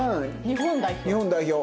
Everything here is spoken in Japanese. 日本代表。